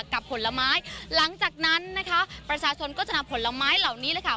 ผลไม้หลังจากนั้นนะคะประชาชนก็จะนำผลไม้เหล่านี้แหละค่ะ